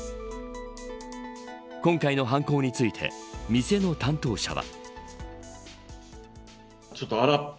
今回の犯行について店の担当者は。